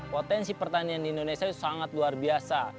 potensi pertanian di indonesia itu sangat luar biasa